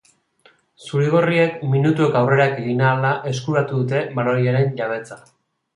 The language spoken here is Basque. Zuri-gorriek minutuek aurrera egin ahala eskuratu dute baloiaren-jabetza.